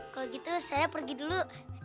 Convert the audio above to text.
kalau gitu saya pergi dulu